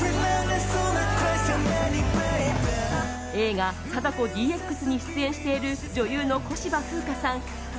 映画「貞子ＤＸ」に出演している女優の小芝風花さん